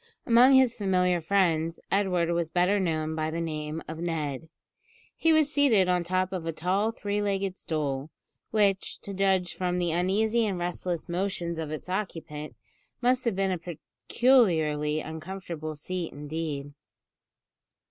Among his familiar friends Edward was better known by the name of Ned. He was seated on the top of a tall three legged stool, which, to judge from the uneasy and restless motions of its occupant, must have been a peculiarly uncomfortable seat indeed.